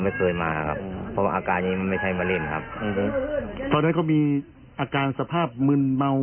ผมก็เลยถามเขาว่ามาทำอะไรเขาบอกมาเล่นกับยาย